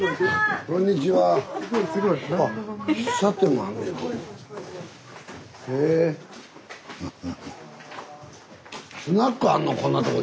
こんなとこに。